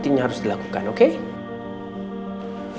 jadi baru barusan kepaikan baru bunuh darinya